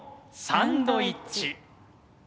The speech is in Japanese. サンドイッチ。